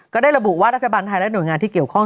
ก็ได้ระบุว่ารัฐบาลไทยและหน่วยงานที่เกี่ยวข้อง